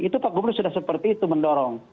itu pak gubernur sudah seperti itu mendorong